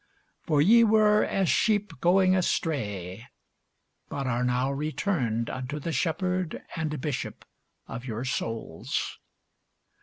For ye were as sheep going astray; but are now returned unto the Shepherd and Bishop of your souls.